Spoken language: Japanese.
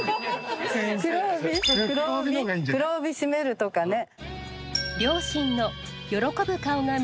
「黒帯締める」とかね。